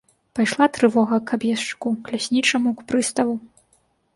Пайшла трывога к аб'ездчыку, к ляснічаму, к прыставу.